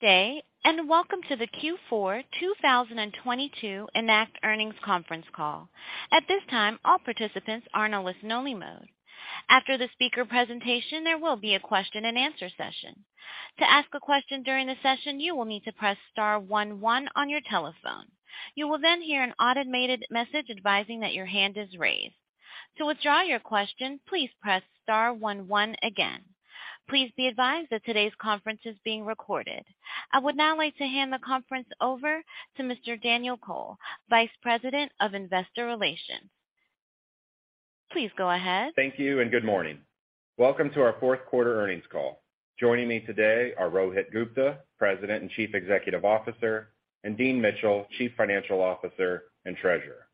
Day, welcome to the Q4 2022 Enact Earnings Conference Call. At this time, all participants are in a listen-only mode. After the speaker presentation, there will be a question-and-answer session. To ask a question during the session, you will need to press star one one on your telephone. You will hear an automated message advising that your hand is raised. To withdraw your question, please press star one one again. Please be advised that today's conference is being recorded. I would now like to hand the conference over to Mr. Daniel Kohl, Vice President of Investor Relations. Please go ahead. Thank you. Good morning. Welcome to our fourth quarter earnings call. Joining me today are Rohit Gupta, President and Chief Executive Officer, and Dean Mitchell, Chief Financial Officer and Treasurer.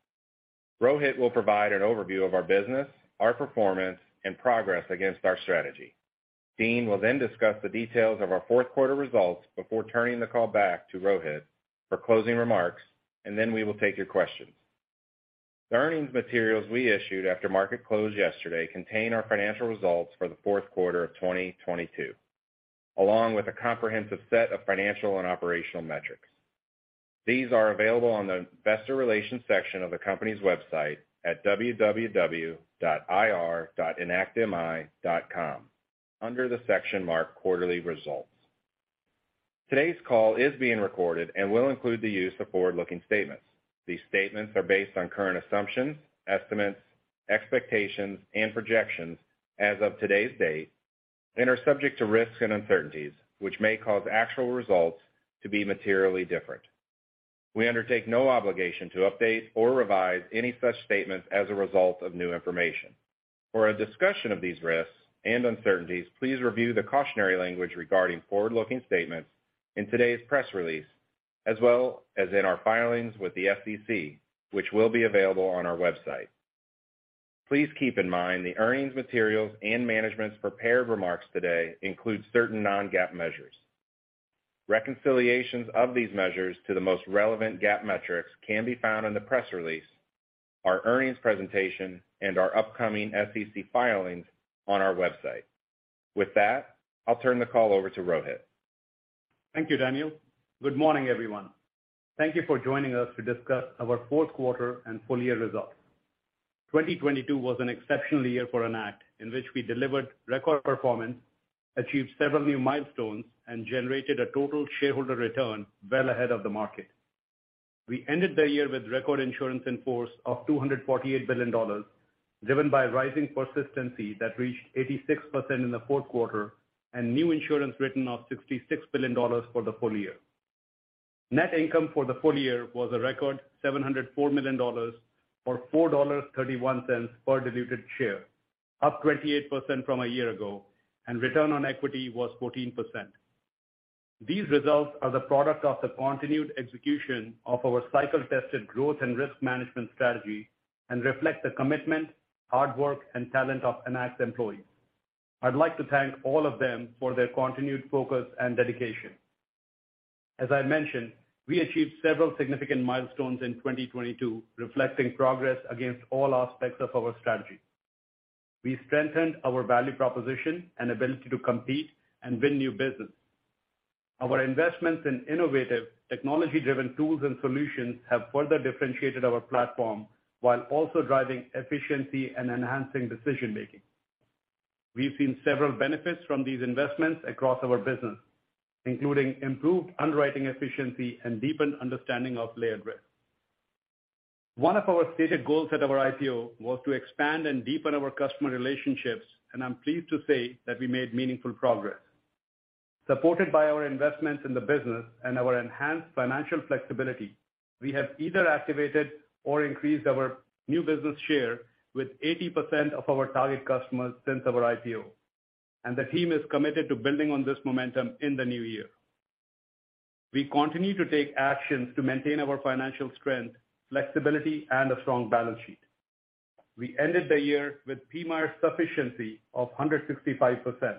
Rohit will provide an overview of our business, our performance, and progress against our strategy. Dean will then discuss the details of our fourth quarter results before turning the call back to Rohit for closing remarks. We will take your questions. The earnings materials we issued after market close yesterday contain our financial results for the fourth quarter of 2022, along with a comprehensive set of financial and operational metrics. These are available on the investor relations section of the company's website at ir.enactmi.com under the section marked Quarterly Results. Today's call is being recorded. It will include the use of forward-looking statements. These statements are based on current assumptions, estimates, expectations, and projections as of today's date and are subject to risks and uncertainties, which may cause actual results to be materially different. We undertake no obligation to update or revise any such statements as a result of new information. For a discussion of these risks and uncertainties, please review the cautionary language regarding forward-looking statements in today's press release, as well as in our filings with the SEC, which will be available on our website. Please keep in mind the earnings materials and management's prepared remarks today include certain non-GAAP measures. Reconciliations of these measures to the most relevant GAAP metrics can be found in the press release, our earnings presentation, and our upcoming SEC filings on our website. With that, I'll turn the call over to Rohit. Thank you, Daniel. Good morning, everyone. Thank you for joining us to discuss our fourth quarter and full year results. 2022 was an exceptional year for Enact in which we delivered record performance, achieved several new milestones, and generated a total shareholder return well ahead of the market. We ended the year with record insurance in force of $248 billion, driven by rising persistency that reached 86% in the fourth quarter and new insurance written of $66 billion for the full year. Net income for the full year was a record $704 million, or $4.31 per diluted share, up 28% from a year ago, and return on equity was 14%. These results are the product of the continued execution of our cycle-tested growth and risk management strategy and reflect the commitment, hard work, and talent of Enact's employees. I'd like to thank all of them for their continued focus and dedication. As I mentioned, we achieved several significant milestones in 2022, reflecting progress against all aspects of our strategy. We strengthened our value proposition and ability to compete and win new business. Our investments in innovative technology-driven tools and solutions have further differentiated our platform while also driving efficiency and enhancing decision-making. We've seen several benefits from these investments across our business, including improved underwriting efficiency and deepened understanding of layered risk. One of our stated goals at our IPO was to expand and deepen our customer relationships, and I'm pleased to say that we made meaningful progress. Supported by our investments in the business and our enhanced financial flexibility, we have either activated or increased our new business share with 80% of our target customers since our IPO. The team is committed to building on this momentum in the new year. We continue to take actions to maintain our financial strength, flexibility, and a strong balance sheet. We ended the year with PMIER sufficiency of 165%.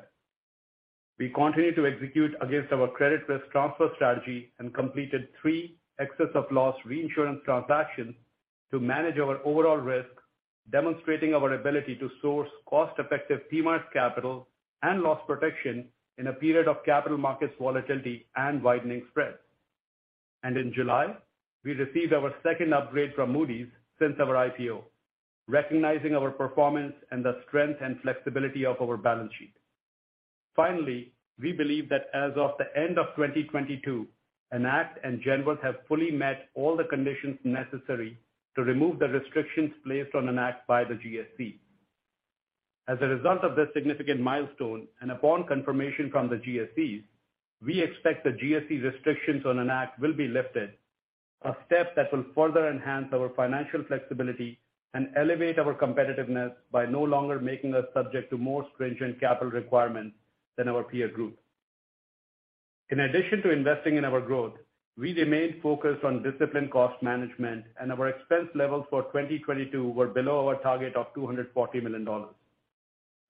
We continue to execute against our credit risk transfer strategy and completed three excess of loss reinsurance transactions to manage our overall risk, demonstrating our ability to source cost-effective PMIER capital and loss protection in a period of capital markets volatility and widening spreads. In July, we received our second upgrade from Moody's since our IPO, recognizing our performance and the strength and flexibility of our balance sheet. We believe that as of the end of 2022, Enact and Genworth have fully met all the conditions necessary to remove the restrictions placed on Enact by the GSE. As a result of this significant milestone, upon confirmation from the GSEs, we expect the GSE restrictions on Enact will be lifted, a step that will further enhance our financial flexibility and elevate our competitiveness by no longer making us subject to more stringent capital requirements than our peer group. In addition to investing in our growth, we remained focused on disciplined cost management, our expense levels for 2022 were below our target of $240 million.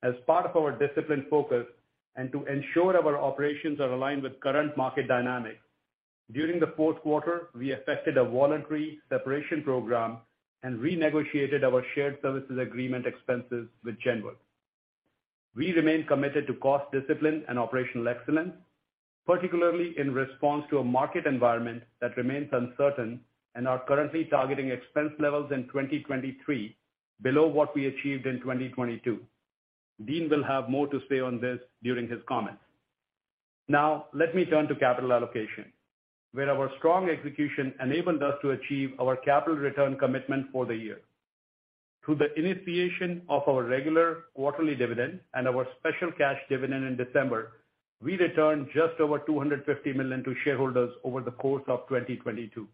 As part of our disciplined focus and to ensure our operations are aligned with current market dynamics, during the fourth quarter, we affected a voluntary separation program and renegotiated our shared services agreement expenses with Genworth. We remain committed to cost discipline and operational excellence, particularly in response to a market environment that remains uncertain and are currently targeting expense levels in 2023 below what we achieved in 2022. Dean will have more to say on this during his comments. Let me turn to capital allocation, where our strong execution enabled us to achieve our capital return commitment for the year. Through the initiation of our regular quarterly dividend and our special cash dividend in December, we returned just over $250 million to shareholders over the course of 2022.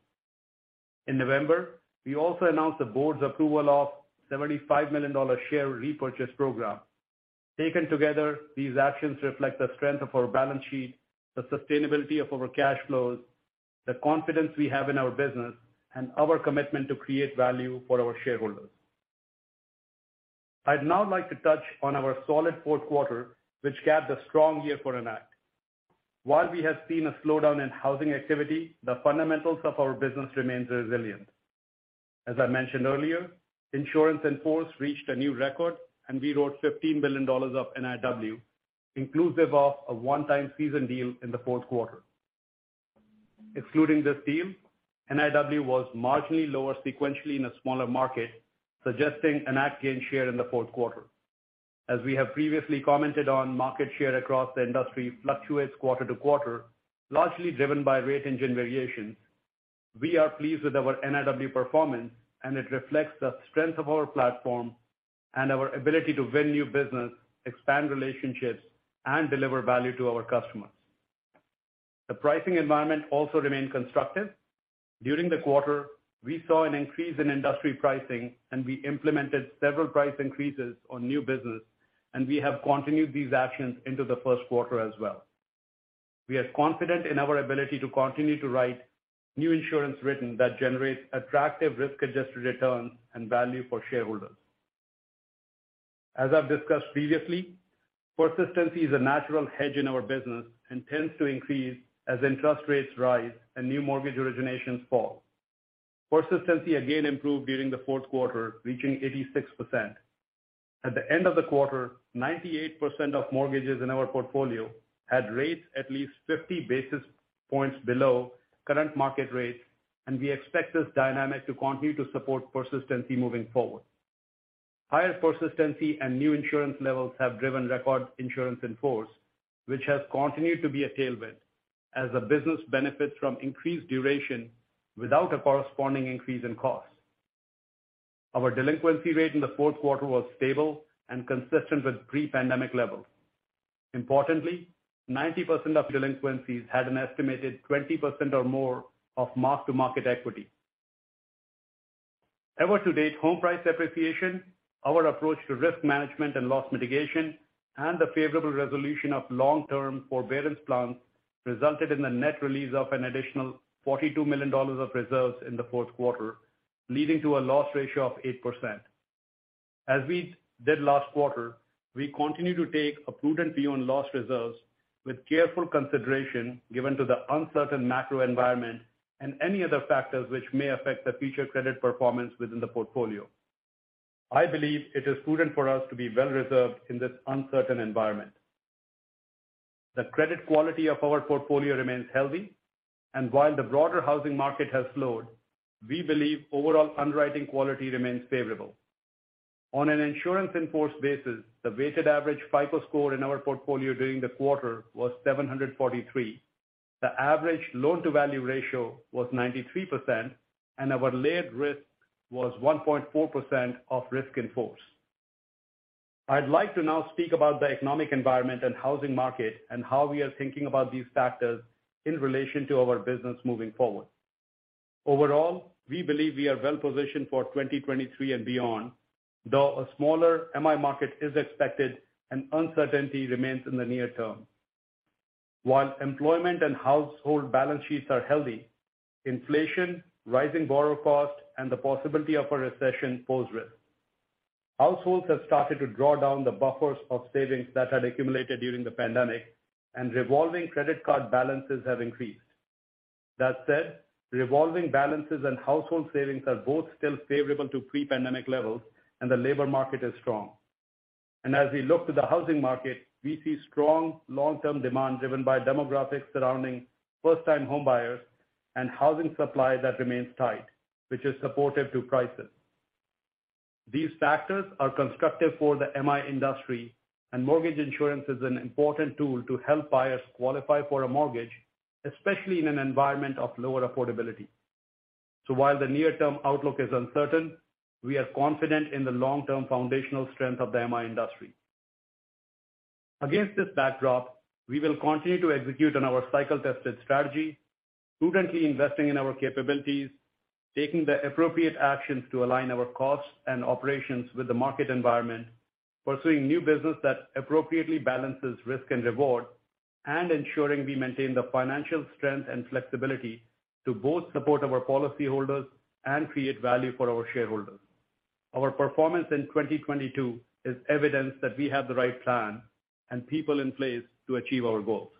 In November, we also announced the board's approval of $75 million share repurchase program. Taken together, these actions reflect the strength of our balance sheet, the sustainability of our cash flows, the confidence we have in our business, and our commitment to create value for our shareholders. I'd now like to touch on our solid fourth quarter, which capped a strong year for Enact. While we have seen a slowdown in housing activity, the fundamentals of our business remains resilient. As I mentioned earlier, insurance in force reached a new record, and we wrote $15 billion of NIW, inclusive of a one-time seasoned deal in the fourth quarter. Excluding this deal, NIW was marginally lower sequentially in a smaller market, suggesting Enact gained share in the fourth quarter. As we have previously commented on, market share across the industry fluctuates quarter to quarter, largely driven by rate engine variations. We are pleased with our NIW performance, and it reflects the strength of our platform and our ability to win new business, expand relationships, and deliver value to our customers. The pricing environment also remained constructive. During the quarter, we saw an increase in industry pricing, and we implemented several price increases on new business, and we have continued these actions into the first quarter as well. We are confident in our ability to continue to write new insurance written that generates attractive risk-adjusted returns and value for shareholders. As I've discussed previously, persistency is a natural hedge in our business and tends to increase as interest rates rise and new mortgage originations fall. Persistency again improved during the fourth quarter, reaching 86%. At the end of the quarter, 98% of mortgages in our portfolio had rates at least 50 basis points below current market rates. We expect this dynamic to continue to support persistency moving forward. Higher persistency and new insurance levels have driven record insurance in force, which has continued to be a tailwind as the business benefits from increased duration without a corresponding increase in cost. Our delinquency rate in the fourth quarter was stable and consistent with pre-pandemic levels. Importantly, 90% of delinquencies had an estimated 20% or more of mark-to-market equity. Ever to date home price appreciation, our approach to risk management and loss mitigation, and the favorable resolution of long-term forbearance plans resulted in the net release of an additional $42 million of reserves in the fourth quarter, leading to a loss ratio of 8%. As we did last quarter, we continue to take a prudent view on loss reserves with careful consideration given to the uncertain macro environment and any other factors which may affect the future credit performance within the portfolio. I believe it is prudent for us to be well reserved in this uncertain environment. The credit quality of our portfolio remains healthy, and while the broader housing market has slowed, we believe overall underwriting quality remains favorable. On an insurance in force basis, the weighted average FICO score in our portfolio during the quarter was 743. The average loan-to-value ratio was 93%, and our layered risk was 1.4% of risk in force. I'd like to now speak about the economic environment and housing market and how we are thinking about these factors in relation to our business moving forward. Overall, we believe we are well positioned for 2023 and beyond, though a smaller MI market is expected and uncertainty remains in the near term. While employment and household balance sheets are healthy, inflation, rising borrower costs, and the possibility of a recession pose risks. Households have started to draw down the buffers of savings that had accumulated during the pandemic, and revolving credit card balances have increased. That said, revolving balances and household savings are both still favorable to pre-pandemic levels, and the labor market is strong. As we look to the housing market, we see strong long-term demand driven by demographics surrounding first-time homebuyers and housing supply that remains tight, which is supportive to prices. These factors are constructive for the MI industry, and mortgage insurance is an important tool to help buyers qualify for a mortgage, especially in an environment of lower affordability. While the near-term outlook is uncertain, we are confident in the long-term foundational strength of the MI industry. Against this backdrop, we will continue to execute on our cycle-tested strategy, prudently investing in our capabilities, taking the appropriate actions to align our costs and operations with the market environment, pursuing new business that appropriately balances risk and reward, and ensuring we maintain the financial strength and flexibility to both support our policyholders and create value for our shareholders. Our performance in 2022 is evidence that we have the right plan and people in place to achieve our goals.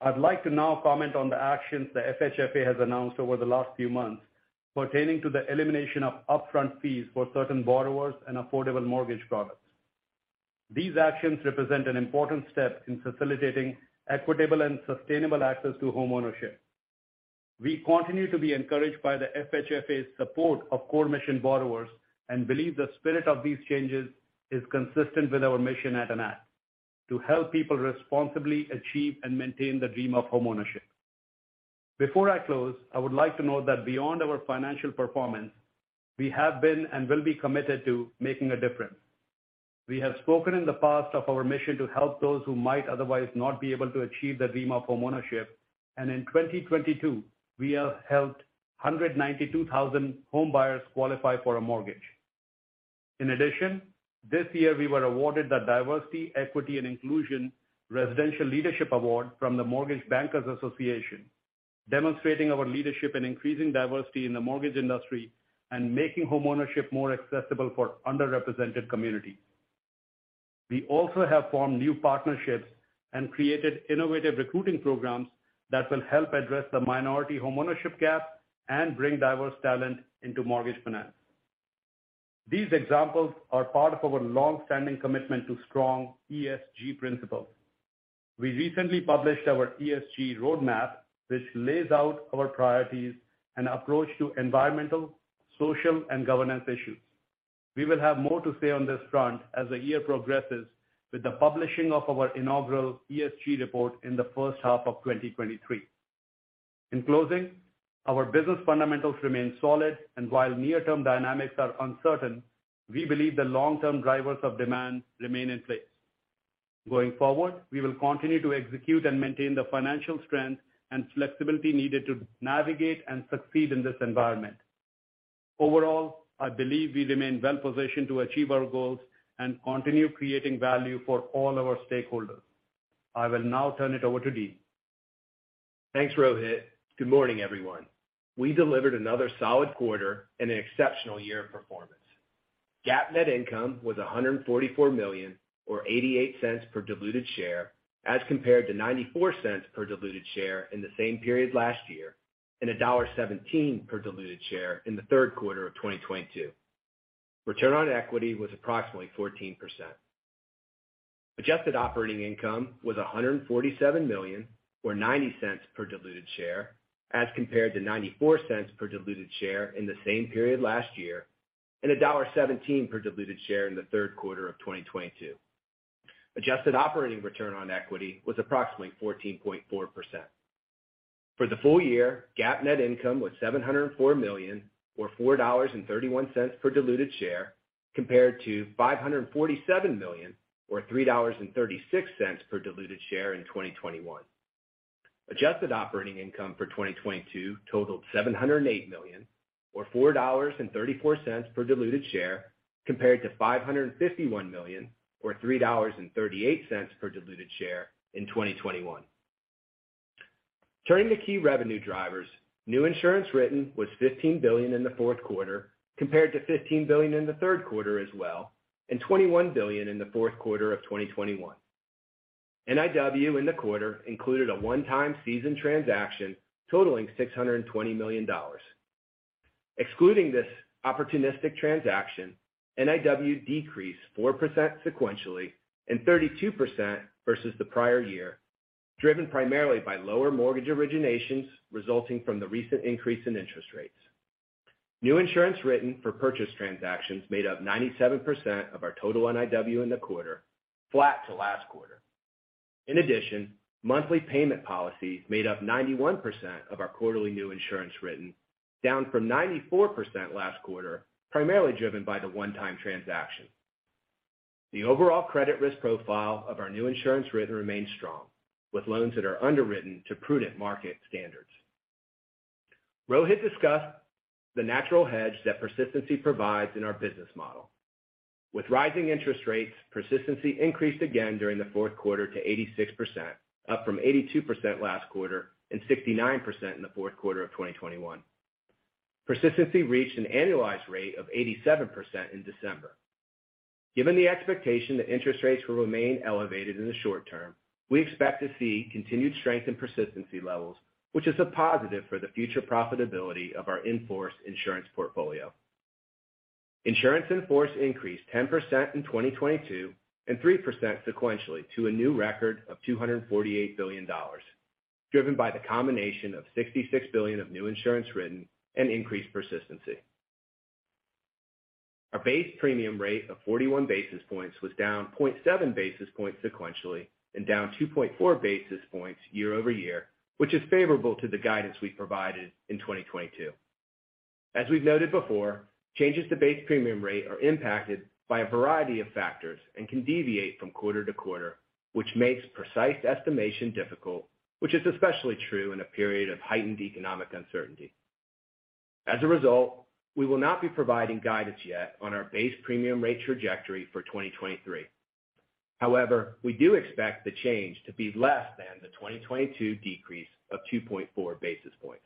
I'd like to now comment on the actions the FHFA has announced over the last few months pertaining to the elimination of upfront fees for certain borrowers and affordable mortgage products. These actions represent an important step in facilitating equitable and sustainable access to homeownership. We continue to be encouraged by the FHFA's support of core mission borrowers and believe the spirit of these changes is consistent with our mission at Enact to help people responsibly achieve and maintain the dream of homeownership. Before I close, I would like to note that beyond our financial performance, we have been and will be committed to making a difference. We have spoken in the past of our mission to help those who might otherwise not be able to achieve the dream of homeownership. In 2022, we have helped 192,000 homebuyers qualify for a mortgage. In addition, this year we were awarded the Diversity, Equity and Inclusion Residential Leadership Award from the Mortgage Bankers Association, demonstrating our leadership in increasing diversity in the mortgage industry and making homeownership more accessible for underrepresented communities. We also have formed new partnerships and created innovative recruiting programs that will help address the minority homeownership gap and bring diverse talent into mortgage finance. These examples are part of our longstanding commitment to strong ESG principles. We recently published our ESG roadmap, which lays out our priorities and approach to environmental, social, and governance issues. We will have more to say on this front as the year progresses with the publishing of our inaugural ESG report in the first half of 2023. In closing, our business fundamentals remain solid. While near-term dynamics are uncertain, we believe the long-term drivers of demand remain in place. Going forward, we will continue to execute and maintain the financial strength and flexibility needed to navigate and succeed in this environment. Overall, I believe we remain well positioned to achieve our goals and continue creating value for all our stakeholders. I will now turn it over to Dean. Thanks, Rohit. Good morning, everyone. We delivered another solid quarter and an exceptional year of performance. GAAP net income was $144 million, or $0.88 per diluted share, as compared to $0.94 per diluted share in the same period last year, and $1.17 per diluted share in the third quarter of 2022. Return on equity was approximately 14%. Adjusted operating income was $147 million, or $0.90 per diluted share, as compared to $0.94 per diluted share in the same period last year, and $1.17 per diluted share in the third quarter of 2022. Adjusted operating return on equity was approximately 14.4%. For the full year, GAAP net income was $704 million, or $4.31 per diluted share, compared to $547 million, or $3.36 per diluted share in 2021. Adjusted operating income for 2022 totaled $708 million, or $4.34 per diluted share, compared to $551 million, or $3.38 per diluted share in 2021. Turning to key revenue drivers. New insurance written was $15 billion in the fourth quarter, compared to $15 billion in the third quarter as well, and $21 billion in the fourth quarter of 2021. NIW in the quarter included a one-time seasoned transaction totaling $620 million. Excluding this opportunistic transaction, NIW decreased 4% sequentially and 32% versus the prior year, driven primarily by lower mortgage originations resulting from the recent increase in interest rates. New insurance written for purchase transactions made up 97% of our total NIW in the quarter, flat to last quarter. In addition, monthly payment policies made up 91% of our quarterly new insurance written, down from 94% last quarter, primarily driven by the one-time transaction. The overall credit risk profile of our new insurance written remains strong, with loans that are underwritten to prudent market standards. Rohit discussed the natural hedge that persistency provides in our business model. With rising interest rates, persistency increased again during the fourth quarter to 86%, up from 82% last quarter and 69% in the fourth quarter of 2021. Persistency reached an annualized rate of 87% in December. Given the expectation that interest rates will remain elevated in the short term, we expect to see continued strength in persistency levels, which is a positive for the future profitability of our in-force insurance portfolio. Insurance in force increased 10% in 2022 and 3% sequentially to a new record of $248 billion, driven by the combination of $66 billion of new insurance written and increased persistency. Our base premium rate of 41 basis points was down 0.7 basis points sequentially and down 2.4 basis points year-over-year, which is favorable to the guidance we provided in 2022. As we've noted before, changes to base premium rate are impacted by a variety of factors and can deviate from quarter to quarter, which makes precise estimation difficult, which is especially true in a period of heightened economic uncertainty. We will not be providing guidance yet on our base premium rate trajectory for 2023. We do expect the change to be less than the 2022 decrease of 2.4 basis points.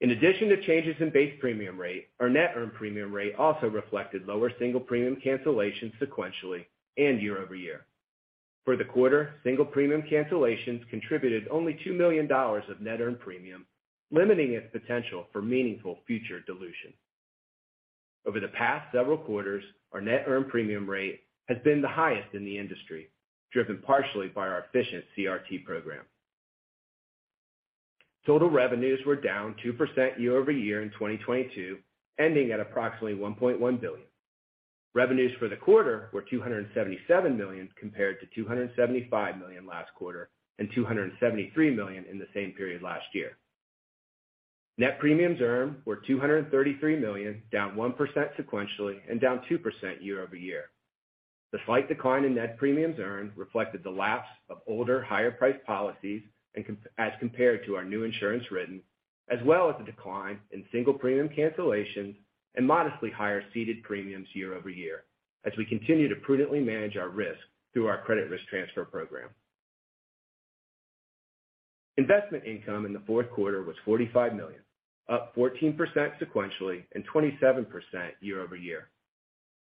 In addition to changes in base premium rate, our net earned premium rate also reflected lower single premium cancellations sequentially and year-over-year. For the quarter, single premium cancellations contributed only $2 million of net earned premium, limiting its potential for meaningful future dilution. Over the past several quarters, our net earned premium rate has been the highest in the industry, driven partially by our efficient CRT program. Total revenues were down 2% year-over-year in 2022, ending at approximately $1.1 billion. Revenues for the quarter were $277 million compared to $275 million last quarter and $273 million in the same period last year. Net premiums earned were $233 million, down 1% sequentially and down 2% year-over-year. The slight decline in net premiums earned reflected the lapse of older higher-priced policies and as compared to our new insurance written, as well as the decline in single premium cancellations and modestly higher ceded premiums year-over-year as we continue to prudently manage our risk through our credit risk transfer program. Investment income in the fourth quarter was $45 million, up 14% sequentially and 27% year-over-year.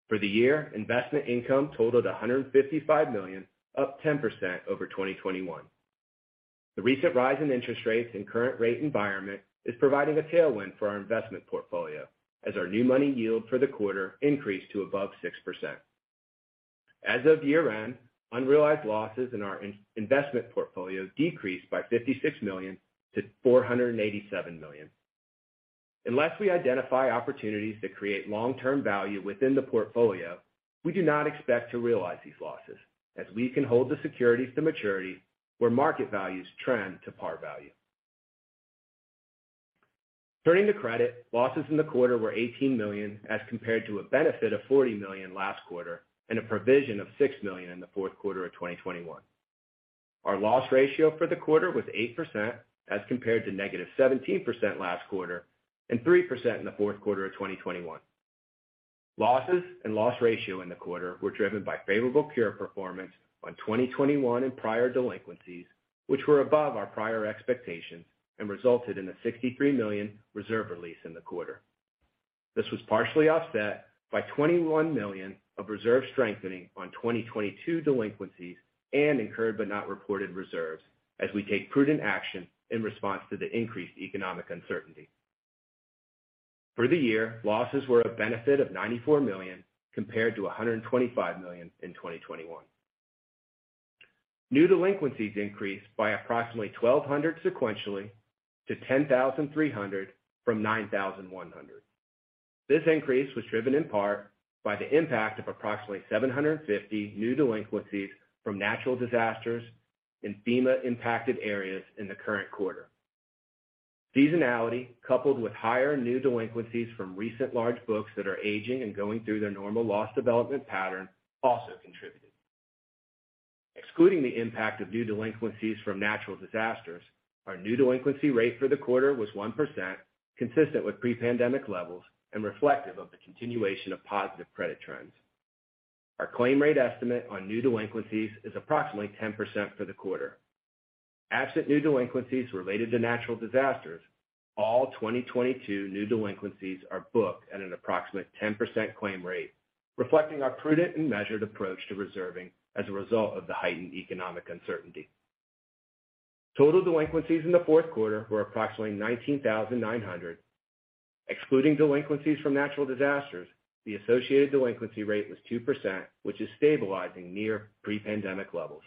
For the year, investment income totaled $155 million, up 10% over 2021. The recent rise in interest rates and current rate environment is providing a tailwind for our investment portfolio as our new money yield for the quarter increased to above 6%. As of year-end, unrealized losses in our investment portfolio decreased by $56 million to $487 million. Unless we identify opportunities that create long-term value within the portfolio, we do not expect to realize these losses, as we can hold the securities to maturity where market values trend to par value. Turning to credit, losses in the quarter were $18 million as compared to a benefit of $40 million last quarter and a provision of $6 million in the fourth quarter of 2021. Our loss ratio for the quarter was 8% as compared to -17% last quarter and 3% in the fourth quarter of 2021. Losses and loss ratio in the quarter were driven by favorable cure performance on 2021 and prior delinquencies, which were above our prior expectations and resulted in a $63 million reserve release in the quarter. This was partially offset by $21 million of reserve strengthening on 2022 delinquencies and incurred but not reported reserves as we take prudent action in response to the increased economic uncertainty. For the year, losses were a benefit of $94 million compared to $125 million in 2021. New delinquencies increased by approximately 1,200 sequentially to 10,300 from 9,100. This increase was driven in part by the impact of approximately 750 new delinquencies from natural disasters in FEMA impacted areas in the current quarter. Seasonality, coupled with higher new delinquencies from recent large books that are aging and going through their normal loss development pattern also contributed. Excluding the impact of new delinquencies from natural disasters, our new delinquency rate for the quarter was 1%, consistent with pre-pandemic levels and reflective of the continuation of positive credit trends. Our claim rate estimate on new delinquencies is approximately 10% for the quarter. Absent new delinquencies related to natural disasters, all 2022 new delinquencies are booked at an approximate 10% claim rate, reflecting our prudent and measured approach to reserving as a result of the heightened economic uncertainty. Total delinquencies in the fourth quarter were approximately 19,900. Excluding delinquencies from natural disasters, the associated delinquency rate was 2%, which is stabilizing near pre-pandemic levels.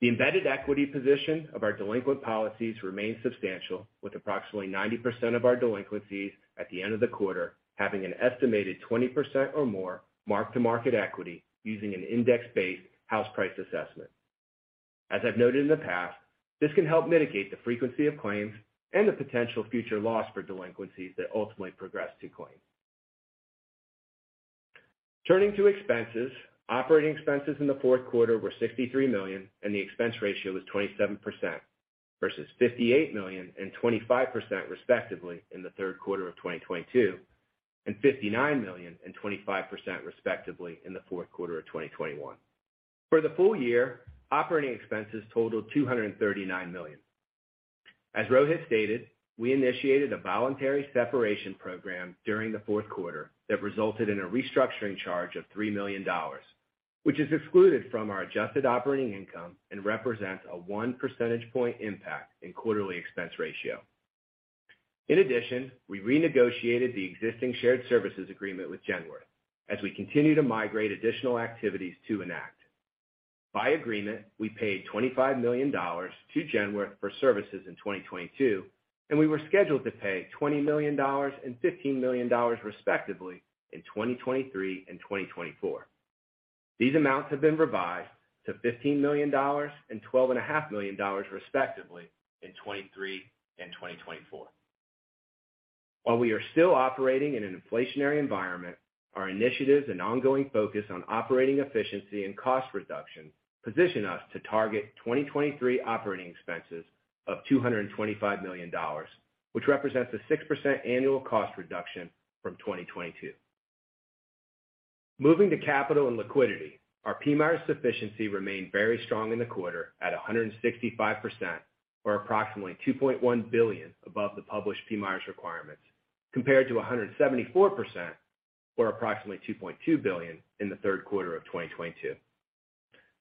The embedded equity position of our delinquent policies remains substantial, with approximately 90% of our delinquencies at the end of the quarter having an estimated 20% or more mark-to-market equity using an index-based house price assessment. As I've noted in the past, this can help mitigate the frequency of claims and the potential future loss for delinquencies that ultimately progress to claims. Turning to expenses, operating expenses in the fourth quarter were $63 million, and the expense ratio was 27%, versus $58 million and 25% respectively in the third quarter of 2022, and $59 million and 25% respectively in the fourth quarter of 2021. For the full year, operating expenses totaled $239 million. As Rohit stated, we initiated a voluntary separation program during the fourth quarter that resulted in a restructuring charge of $3 million, which is excluded from our adjusted operating income and represents a 1 percentage point impact in quarterly expense ratio. In addition, we renegotiated the existing shared services agreement with Genworth as we continue to migrate additional activities to Enact. By agreement, we paid $25 million to Genworth for services in 2022, and we were scheduled to pay $20 million and $15 million respectively in 2023 and 2024. These amounts have been revised to $15 million and twelve and a half million dollars respectively in 2023 and 2024. While we are still operating in an inflationary environment, our initiatives and ongoing focus on operating efficiency and cost reduction position us to target 2023 operating expenses of $225 million, which represents a 6% annual cost reduction from 2022. Moving to capital and liquidity. Our PMIERs sufficiency remained very strong in the quarter at 165%, or approximately $2.1 billion above the published PMIERs requirements, compared to 174% or approximately $2.2 billion in the third quarter of 2022.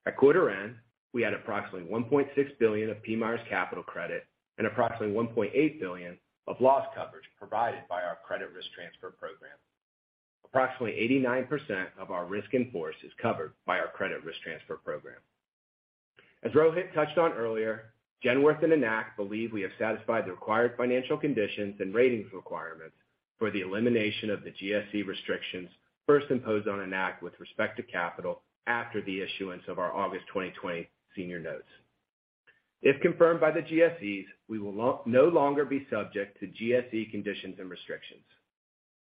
At quarter end, we had approximately $1.6 billion of PMIERs capital credit and approximately $1.8 billion of loss coverage provided by our credit risk transfer program. Approximately 89% of our risk in force is covered by our credit risk transfer program. As Rohit touched on earlier, Genworth and Enact believe we have satisfied the required financial conditions and ratings requirements for the elimination of the GSE restrictions first imposed on Enact with respect to capital after the issuance of our August 2020 senior notes. If confirmed by the GSEs, we will no longer be subject to GSE conditions and restrictions.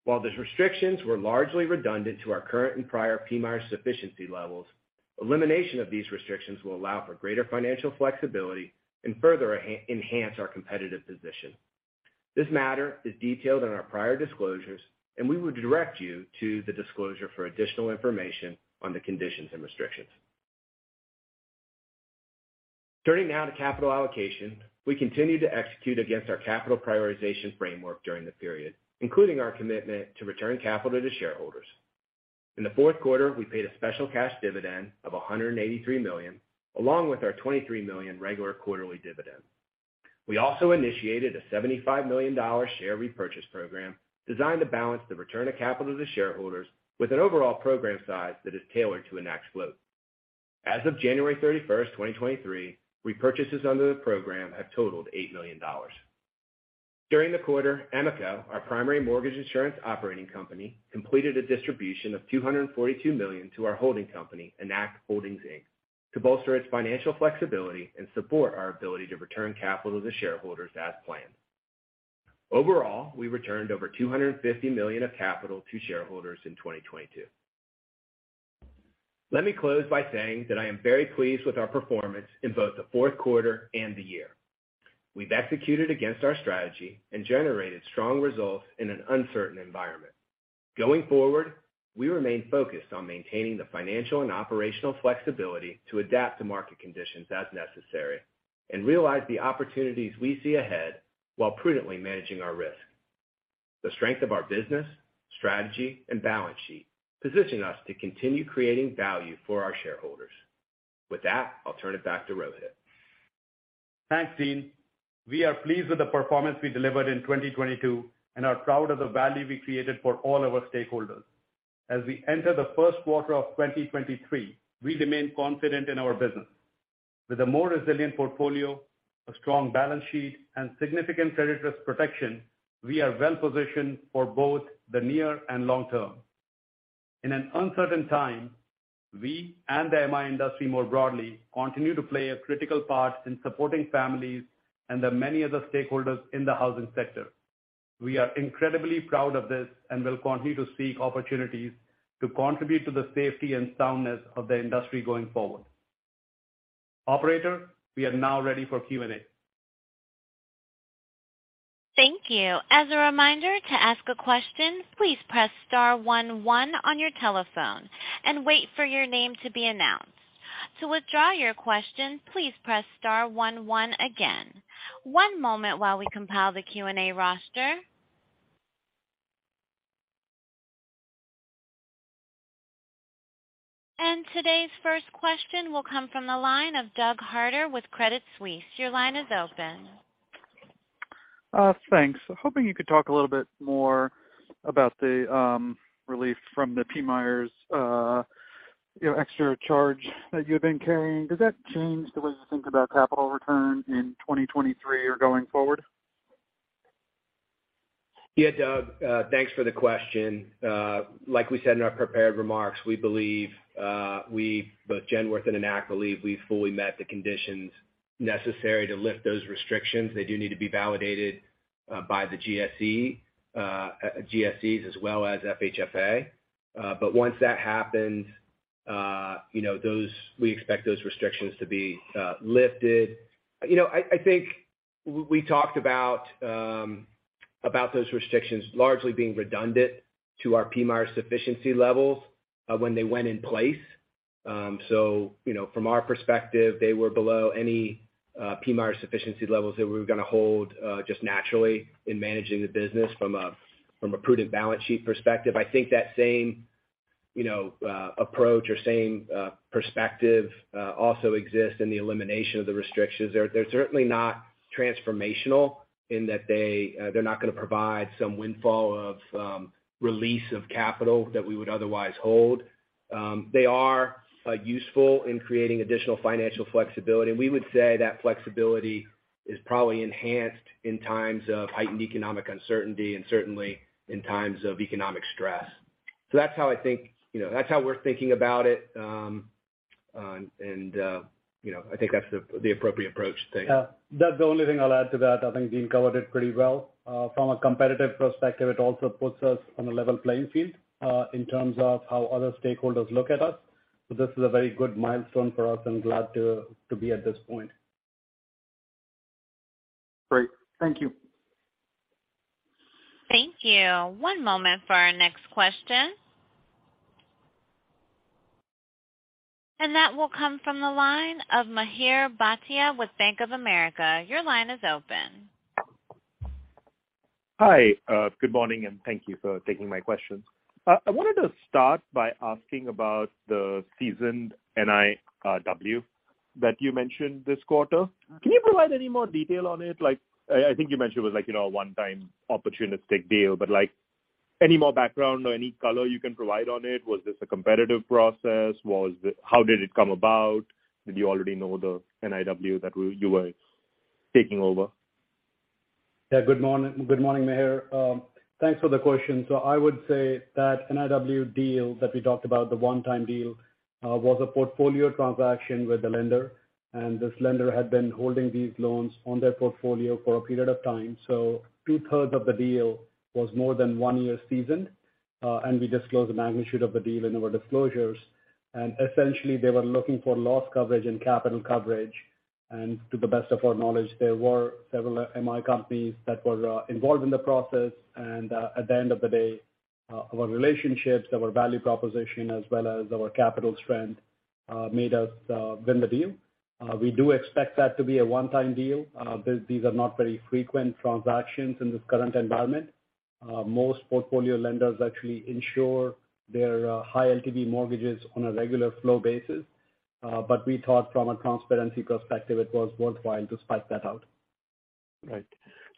While those restrictions were largely redundant to our current and prior PMIER sufficiency levels, elimination of these restrictions will allow for greater financial flexibility and further enhance our competitive position. This matter is detailed in our prior disclosures. We would direct you to the disclosure for additional information on the conditions and restrictions. Turning now to capital allocation. We continue to execute against our capital prioritization framework during the period, including our commitment to return capital to shareholders. In the fourth quarter, we paid a special cash dividend of $183 million, along with our $23 million regular quarterly dividend. We also initiated a $75 million share repurchase program designed to balance the return of capital to shareholders with an overall program size that is tailored to Enact's float. As of January 31, 2023, repurchases under the program have totaled $8 million. During the quarter, EMICO, our primary mortgage insurance operating company, completed a distribution of $242 million to our holding company, Enact Holdings, Inc., to bolster its financial flexibility and support our ability to return capital to shareholders as planned. We returned over $250 million of capital to shareholders in 2022. Let me close by saying that I am very pleased with our performance in both the fourth quarter and the year. We've executed against our strategy and generated strong results in an uncertain environment. Going forward, we remain focused on maintaining the financial and operational flexibility to adapt to market conditions as necessary and realize the opportunities we see ahead while prudently managing our risk. The strength of our business, strategy, and balance sheet position us to continue creating value for our shareholders. With that, I'll turn it back to Rohit. Thanks, Dean. We are pleased with the performance we delivered in 2022 and are proud of the value we created for all our stakeholders. As we enter the first quarter of 2023, we remain confident in our business. With a more resilient portfolio, a strong balance sheet, and significant credit risk protection, we are well-positioned for both the near and long term. In an uncertain time, we and the MI industry more broadly continue to play a critical part in supporting families and the many other stakeholders in the housing sector. We are incredibly proud of this and will continue to seek opportunities to contribute to the safety and soundness of the industry going forward. Operator, we are now ready for Q&A. Thank you. As a reminder to ask a question, please press star one one on your telephone and wait for your name to be announced. To withdraw your question, please press star one one again. One moment while we compile the Q&A roster. Today's first question will come from the line of Douglas Harter with Credit Suisse. Your line is open. Thanks. Hoping you could talk a little bit more about the relief from the PMIERs, you know, extra charge that you've been carrying. Does that change the way you think about capital return in 2023 or going forward? Yeah, Doug, thanks for the question. Like we said in our prepared remarks, we believe, we, both Genworth and Enact believe we've fully met the conditions necessary to lift those restrictions. They do need to be validated by the GSE, GSEs as well as FHFA. Once that happens, you know, those... we expect those restrictions to be lifted. You know, I think we talked about about those restrictions largely being redundant to our PMIERs sufficiency levels when they went in place. So, you know, from our perspective, they were below any PMIERs sufficiency levels that we were gonna hold just naturally in managing the business from a prudent balance sheet perspective. I think that same, you know, approach or same perspective also exists in the elimination of the restrictions. They're certainly not transformational in that they're not gonna provide some windfall of release of capital that we would otherwise hold. They are useful in creating additional financial flexibility. We would say that flexibility is probably enhanced in times of heightened economic uncertainty and certainly in times of economic stress. That's how I think, you know, that's how we're thinking about it. You know, I think that's the appropriate approach to take. Yeah. That's the only thing I'll add to that. I think Dean covered it pretty well. From a competitive perspective, it also puts us on a level playing field, in terms of how other stakeholders look at us. This is a very good milestone for us. I'm glad to be at this point. Great. Thank you. Thank you. One moment for our next question. That will come from the line of Mihir Bhatia with Bank of America. Your line is open. Hi, good morning, and thank you for taking my questions. I wanted to start by asking about the seasoned NIW that you mentioned this quarter. Can you provide any more detail on it? Like, I think you mentioned it was like, you know, a one-time opportunistic deal, but like any more background or any color you can provide on it, was this a competitive process? How did it come about? Did you already know the NIW that you were taking over? Yeah. Good morning, Mihir. Thanks for the question. I would say that NIW deal that we talked about, the one-time deal, was a portfolio transaction with the lender, and this lender had been holding these loans on their portfolio for a period of time. Two-thirds of the deal was more than 1 year seasoned, and we disclosed the magnitude of the deal in our disclosures. Essentially they were looking for loss coverage and capital coverage. To the best of our knowledge, there were several MI companies that were involved in the process. At the end of the day, our relationships, our value proposition as well as our capital strength, made us win the deal. We do expect that to be a one-time deal. These are not very frequent transactions in this current environment. Most portfolio lenders actually insure their high LTV mortgages on a regular flow basis. We thought from a transparency perspective it was worthwhile to spike that out. Right.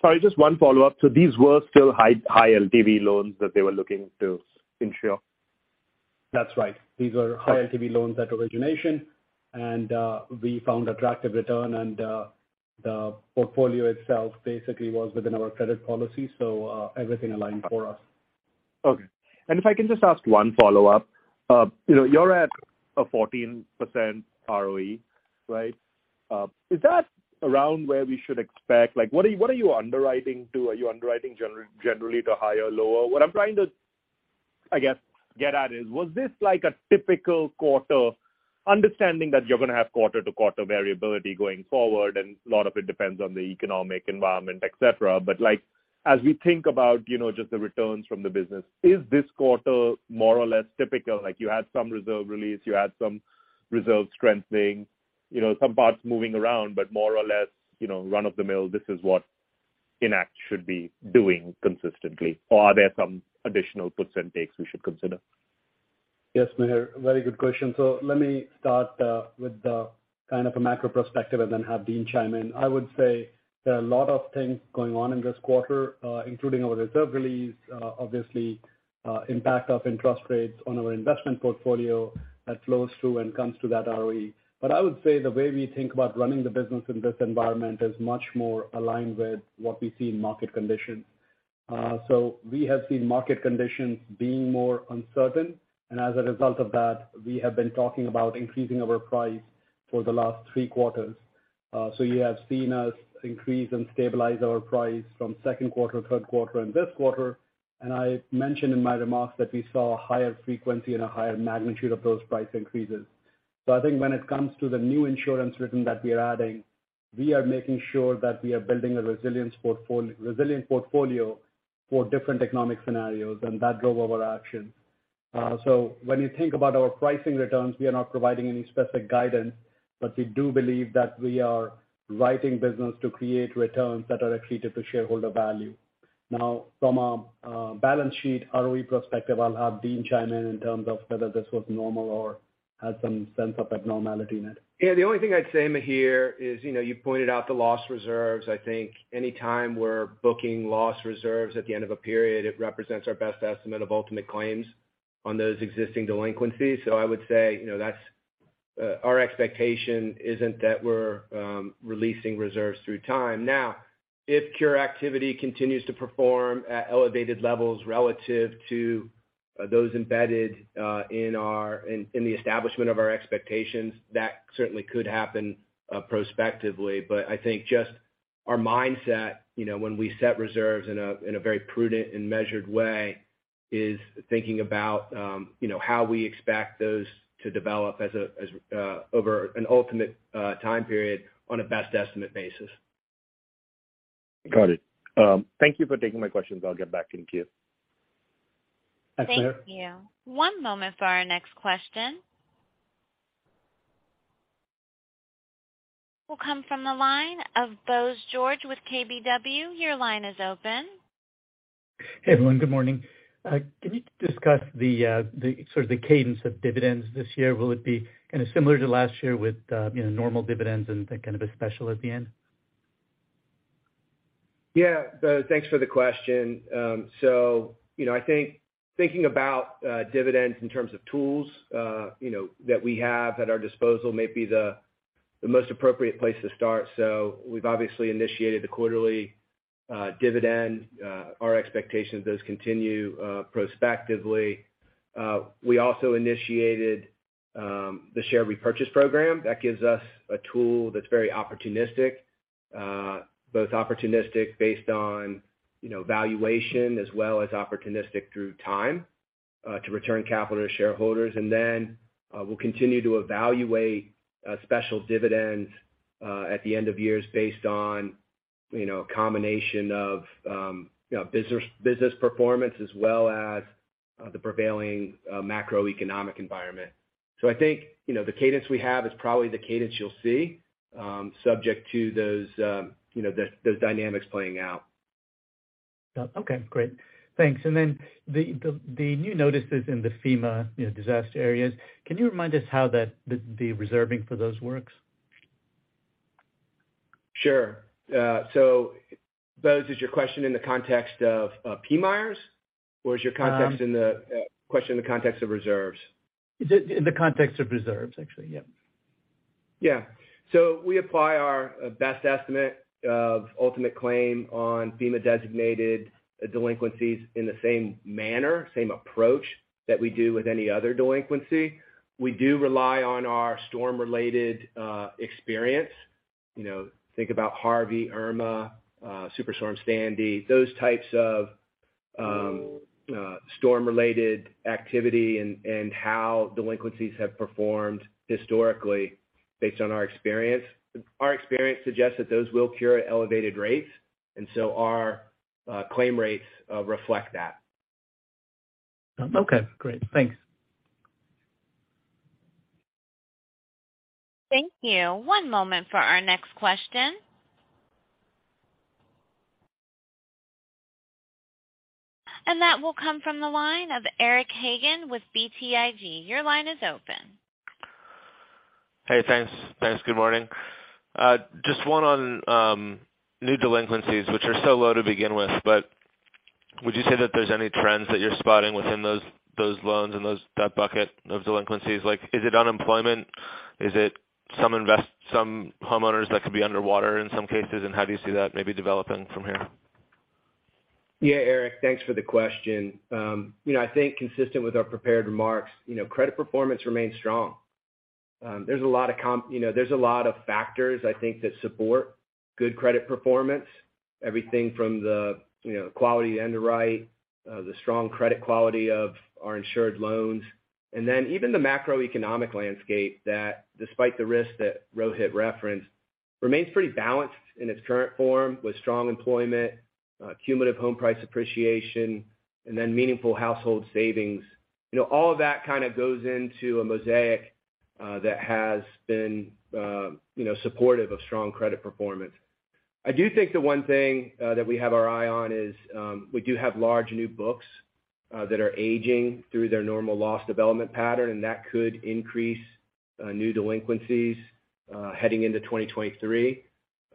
Sorry, just one follow-up. These were still high, high LTV loans that they were looking to insure? That's right. These were high LTV loans at origination, and we found attractive return and the portfolio itself basically was within our credit policy, so everything aligned for us. Okay. If I can just ask one follow-up. You know, you're at a 14% ROE, right? Is that around where we should expect? Like, what are you underwriting to? Are you underwriting generally to higher or lower? What I'm trying to, I guess, get at is, was this like a typical quarter understanding that you're gonna have quarter-to-quarter variability going forward, and a lot of it depends on the economic environment, et cetera. Like, as we think about, you know, just the returns from the business, is this quarter more or less typical? Like, you had some reserve release, you had some reserve strengthening, you know, some parts moving around, but more or less, you know, run-of-the-mill, this is what Enact should be doing consistently. Are there some additional puts and takes we should consider? Yes, Mihir, very good question. Let me start with kind of a macro perspective and then have Dean chime in. I would say there are a lot of things going on in this quarter, including our reserve release, obviously, impact of interest rates on our investment portfolio that flows through and comes to that ROE. I would say the way we think about running the business in this environment is much more aligned with what we see in market conditions. We have seen market conditions being more uncertain, and as a result of that, we have been talking about increasing our price for the last three quarters. You have seen us increase and stabilize our price from second quarter, third quarter and this quarter. I mentioned in my remarks that we saw a higher frequency and a higher magnitude of those price increases. I think when it comes to the new insurance written that we are adding, we are making sure that we are building a resilient portfolio for different economic scenarios, and that drove our action. When you think about our pricing returns, we are not providing any specific guidance, but we do believe that we are writing business to create returns that are accretive to shareholder value. From a balance sheet ROE perspective, I'll have Dean chime in in terms of whether this was normal or had some sense of abnormality in it. The only thing I'd say, Mihir, is, you know, you pointed out the loss reserves. I think any time we're booking loss reserves at the end of a period, it represents our best estimate of ultimate claims on those existing delinquencies. I would say, you know, that's our expectation isn't that we're releasing reserves through time. If cure activity continues to perform at elevated levels relative to those embedded in the establishment of our expectations, that certainly could happen prospectively. I think just our mindset, you know, when we set reserves in a very prudent and measured way, is thinking about, you know, how we expect those to develop over an ultimate time period on a best estimate basis. Got it. Thank you for taking my questions. I'll get back in queue. Thanks, Mihir. Thank you. One moment for our next question. Will come from the line of Bose George with KBW. Your line is open. Hey, everyone. Good morning. Can you discuss the sort of the cadence of dividends this year? Will it be kinda similar to last year with, you know, normal dividends and then kind of a special at the end? Yeah, Bose, thanks for the question. So, you know, I think thinking about dividends in terms of tools, you know, that we have at our disposal may be the most appropriate place to start. So we've obviously initiated the quarterly dividend. Our expectation is those continue prospectively. We also initiated the share repurchase program. That gives us a tool that's very opportunistic, both opportunistic based on, you know, valuation as well as opportunistic through time to return capital to shareholders, and then we'll continue to evaluate a special dividend at the end of years based on, you know, a combination of, you know, business performance as well as the prevailing macroeconomic environment. I think, you know, the cadence we have is probably the cadence you'll see, subject to those, you know, those dynamics playing out. Yeah. Okay, great. Thanks. Then the new notices in the FEMA, you know, disaster areas, can you remind us how that the reserving for those works? Sure. Bose is your question in the context of, PMIERs? Um. Question in the context of reserves? It's in the context of reserves, actually, yeah. Yeah. We apply our best estimate of ultimate claim on FEMA designated delinquencies in the same manner, same approach that we do with any other delinquency. We do rely on our storm-related experience. You know, think about Hurricane Harvey, Hurricane Irma, Superstorm Sandy, those types of storm-related activity and how delinquencies have performed historically based on our experience. Our experience suggests that those will cure at elevated rates, and our claim rates reflect that. Okay, great. Thanks. Thank you. One moment for our next question. That will come from the line of Eric Hagen with BTIG. Your line is open. Hey, thanks. Thanks. Good morning. Just one on new delinquencies, which are so low to begin with, but would you say that there's any trends that you're spotting within those loans and that bucket of delinquencies? Like, is it unemployment? Is it some homeowners that could be underwater in some cases? How do you see that maybe developing from here? Eric, thanks for the question. You know, I think consistent with our prepared remarks, you know, credit performance remains strong. There's a lot of factors, I think, that support good credit performance. Everything from the, you know, quality of the underwrite, the strong credit quality of our insured loans, and then even the macroeconomic landscape that despite the risks that Rohit referenced, remains pretty balanced in its current form with strong employment, cumulative home price appreciation, and then meaningful household savings. You know, all of that kind of goes into a mosaic that has been, you know, supportive of strong credit performance. I do think the one thing that we have our eye on is we do have large new books that are aging through their normal loss development pattern, and that could increase new delinquencies heading into 2023.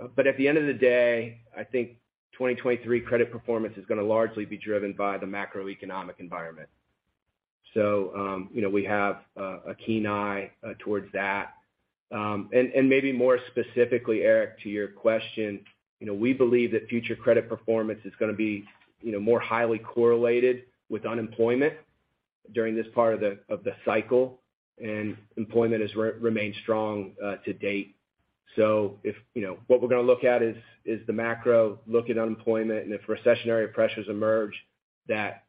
At the end of the day, I think 2023 credit performance is gonna largely be driven by the macroeconomic environment. You know, we have a keen eye towards that. And maybe more specifically, Eric, to your question, you know, we believe that future credit performance is gonna be, you know, more highly correlated with unemployment during this part of the cycle, and employment has remained strong to date. If, you know, what we're gonna look at is the macro look at unemployment, and if recessionary pressures emerge that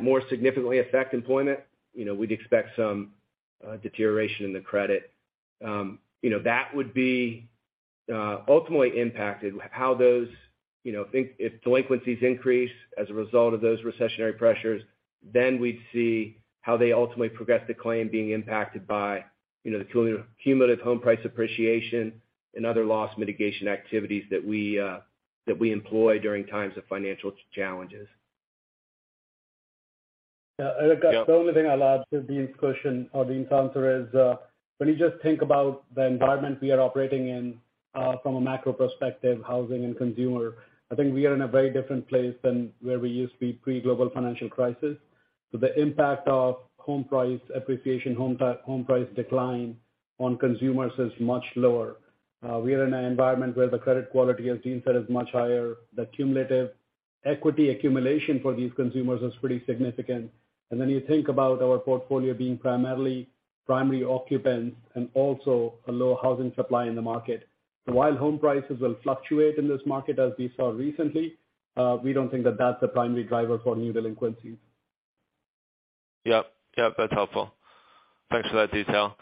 more significantly affect employment, you know, we'd expect some deterioration in the credit. You know, that would be ultimately impacted how those, you know, if delinquencies increase as a result of those recessionary pressures, then we'd see how they ultimately progress the claim being impacted by, you know, the cumulative home price appreciation and other loss mitigation activities that we employ during times of financial challenges. Yeah. Yeah. Eric, the only thing I'll add to Dean's question or Dean's answer is, when you just think about the environment we are operating in, from a macro perspective, housing and consumer, I think we are in a very different place than where we used to be pre-global financial crisis. The impact of home price appreciation, home price decline on consumers is much lower. We are in an environment where the credit quality, as Dean said, is much higher. The cumulative equity accumulation for these consumers is pretty significant. Then you think about our portfolio being primarily primary occupants and also a low housing supply in the market. While home prices will fluctuate in this market, as we saw recently, we don't think that that's the primary driver for new delinquencies. Yep. Yep, that's helpful. Thanks for that detail.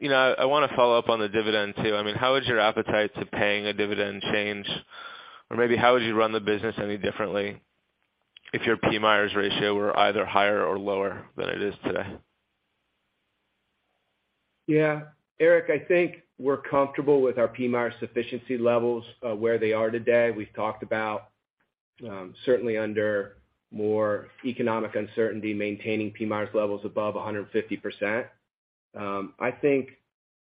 You know, I want to follow up on the dividend too. I mean, how has your appetite to paying a dividend changed? Maybe how would you run the business any differently if your PMIERs ratio were either higher or lower than it is today? Yeah. Eric, I think we're comfortable with our PMIERs sufficiency levels where they are today. We've talked about, certainly under more economic uncertainty, maintaining PMIERs levels above 150%. I think,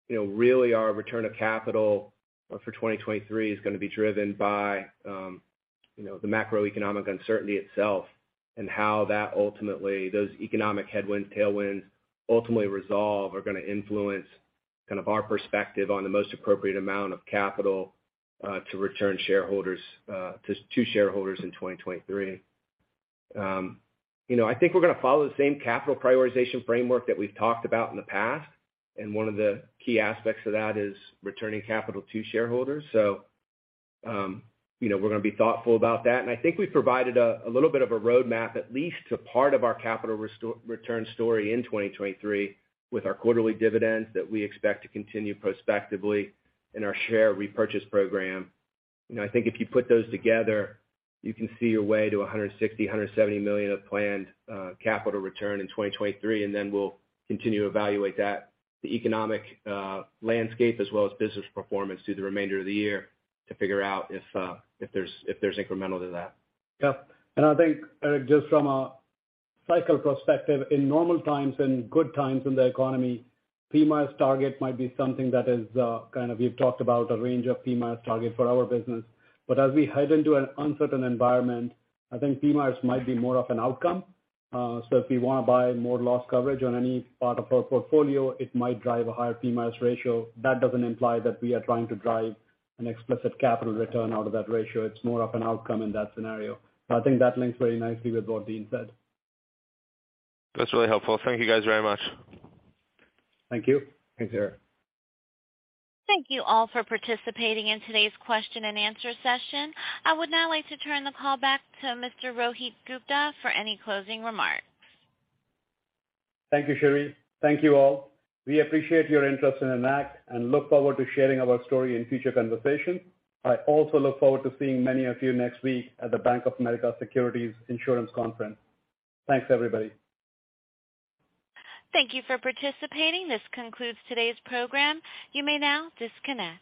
you know, really our return of capital for 2023 is gonna be driven by, you know, the macroeconomic uncertainty itself and how that ultimately, those economic headwind, tailwind ultimately resolve are gonna influence kind of our perspective on the most appropriate amount of capital to return shareholders in 2023. You know, I think we're gonna follow the same capital prioritization framework that we've talked about in the past, and one of the key aspects of that is returning capital to shareholders. You know, we're gonna be thoughtful about that. I think we provided a little bit of a roadmap at least to part of our capital return story in 2023 with our quarterly dividends that we expect to continue prospectively in our share repurchase program. You know, I think if you put those together, you can see your way to $160 million-$170 million of planned capital return in 2023, and then we'll continue to evaluate that, the economic landscape as well as business performance through the remainder of the year to figure out if there's incremental to that. I think, Eric, just from a cycle perspective, in normal times and good times in the economy, PMIERs target might be something that is, kind of we've talked about a range of PMIERs target for our business. As we head into an uncertain environment, I think PMIERs might be more of an outcome. If we wanna buy more loss coverage on any part of our portfolio, it might drive a higher PMIERs ratio. That doesn't imply that we are trying to drive an explicit capital return out of that ratio. It's more of an outcome in that scenario. I think that links very nicely with what Dean said. That's really helpful. Thank you guys very much. Thank you. Thanks, Eric. Thank you all for participating in today's question and answer session. I would now like to turn the call back to Mr. Rohit Gupta for any closing remarks. Thank you, Sheri. Thank you all. We appreciate your interest in Enact and look forward to sharing our story in future conversations. I also look forward to seeing many of you next week at the Bank of America Securities Insurance Conference. Thanks, everybody. Thank you for participating. This concludes today's program. You may now disconnect.